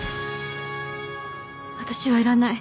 私はいらない。